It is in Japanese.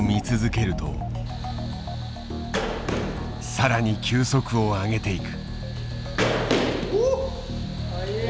更に球速を上げていく。